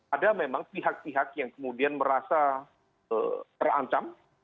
ada memang pihak pihak yang kemudian merasa terancam